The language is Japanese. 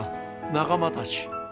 仲間たち！